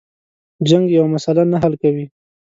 جنگ یوه مسله نه حل کوي.